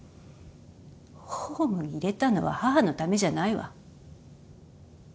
ホームに入れたのは母のためじゃないわ。